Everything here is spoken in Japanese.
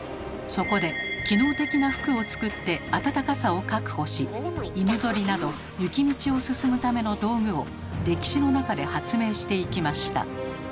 そこで機能的な服を作って暖かさを確保し犬ぞりなど雪道を進むための道具を歴史の中で発明していきました。